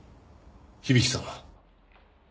響さんは？